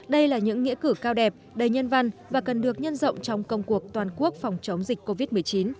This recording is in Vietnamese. đây là những nghĩa cử cao đẹp đầy nhân văn và cần được nhân rộng trong công cuộc toàn quốc phòng chống dịch covid một mươi chín